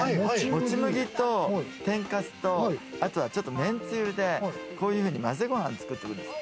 もちむぎと、天かすと、あとはめんつゆでこういうふうに混ぜご飯を作ってくるんです。